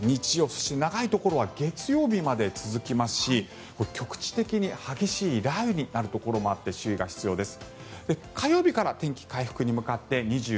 そして長いところは月曜日まで続きますし、局地的に激しい雷雨になるところもあって注意が必要です。